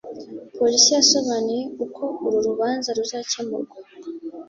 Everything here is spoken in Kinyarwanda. polisi yasobanuye uko uru rubanza ruzakemurwa